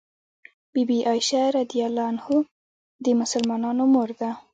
بي بي عائشه رض د مسلمانانو مور ده